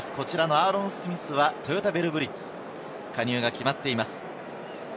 アーロン・スミスはトヨタヴェルブリッツに加入が決まっています。